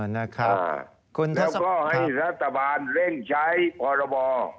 แล้วก็ให้รัฐบาลเร่งใช้พรบ